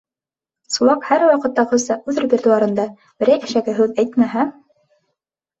Сулаҡ һәр ваҡыттағыса үҙ репертуарында, берәй әшәке һүҙ әйтмәһә...